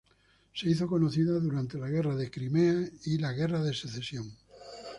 Se hizo conocida durante la Guerra de Crimea y la Guerra de Secesión.